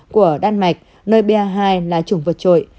của đan mạch nơi ba hai là chủng vượt trội